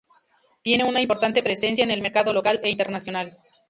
Tiene una importante presencia en el mercado local e internacional.